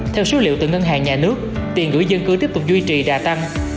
theo số liệu từ ngân hàng nhà nước tiền gửi dân cư tiếp tục duy trì đà tăng